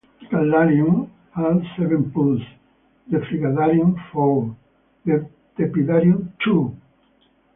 The "caldarium" had seven pools, the "frigidarium" four, the "tepidarium" two.